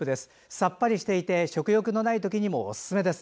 さっぱりしていて食欲のないときにもおすすめです。